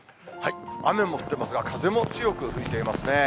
雨も降ってますが、風も強く吹いていますね。